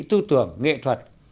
tư tưởng nghệ thuật